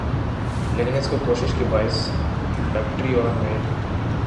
لیکن اس کوشش کے باعث فیکٹری اور میل